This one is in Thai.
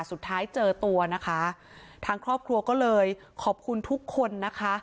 สุดท้ายเจอตัวนะคะทางครอบครัวก็เลยขอบคุณทุกคนนะคะ